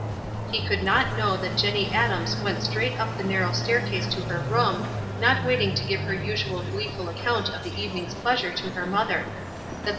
He could not know that Jenny Adams went straight up the narrow stair case to her room, not waiting to give her usual gleeful account of the evening's pleasure to her mother ; that the WISE AND OTHERWISE.